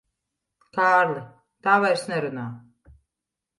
Kārli, tā vairs nerunā.